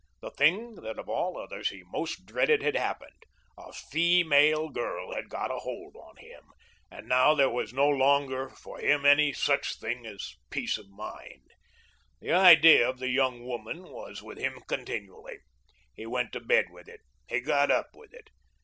The thing that of all others he most dreaded had happened. A feemale girl had got a hold on him, and now there was no longer for him any such thing as peace of mind. The idea of the young woman was with him continually. He went to bed with it; he got up with it.